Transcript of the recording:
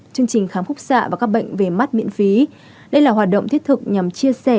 chương trình khám phúc xạ và các bệnh về mắt miễn phí đây là hoạt động thiết thực nhằm chia sẻ